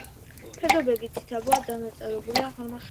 ფერდობები ციცაბოა, დანაწევრებულია ღრმა ხეობებით.